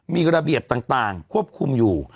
มีระเบียบต่างควบคุมอยู่